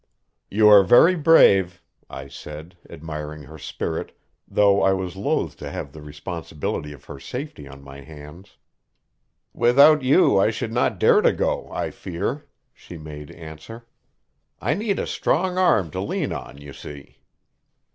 "You are very brave," I said, admiring her spirit, though I was loath to have the responsibility of her safety on my hands. "Without you I should not dare to go, I fear," she made answer, "I need a strong arm to lean on, you see."